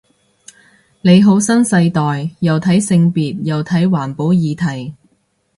你好新世代，又睇性別又睇環保議題